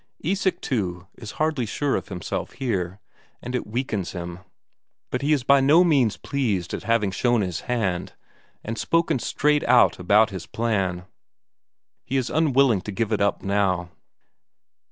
Isak, too, is hardly sure of himself here, and it weakens him; but he is by no means pleased at having shown his hand, and spoken straight out about his plan. He is unwilling to give it up now.